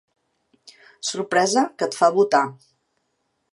Sorpresa que et fa botar.